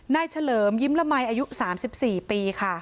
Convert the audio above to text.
น่าเฉลิมยิ้มละไมอายุ๓๔ปี